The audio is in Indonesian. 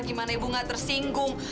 gimana ibu gak tersinggung